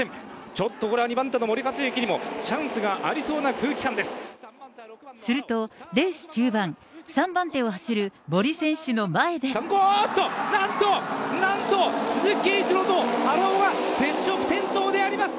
ちょっとこれは２番手の森且行にもチャンスがありそうな空気感ですると、レース中盤、３番手おーっと、なんと、なんと、すずきけいいちろうと接触転倒であります。